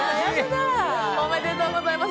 おめでとうございます。